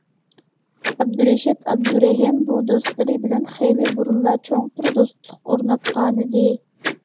ئابدۇرېشىت ئابدۇرېھىم بۇ دوستلىرى بىلەن خېلى بۇرۇنلا چوڭقۇر دوستلۇق ئورناتقانىدى.